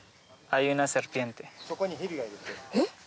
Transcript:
えっ？